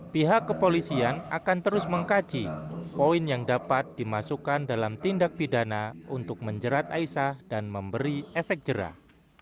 pihak kepolisian akan terus mengkaji poin yang dapat dimasukkan dalam tindak pidana untuk menjerat aisah dan memberi efek jerah